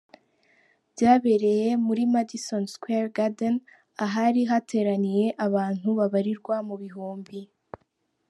Byabereye muri Madison Square Garden ahari hateraniye abantu babarirwa mu bihumbi.